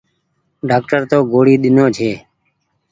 ڍآڪٽر تو گوڙي ۮينو ڇي۔